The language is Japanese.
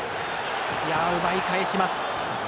奪い返します。